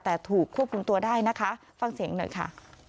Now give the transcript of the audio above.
แต่ถูกควบคุมตัวได้นะคะฟังเสียงหน่อยค่ะ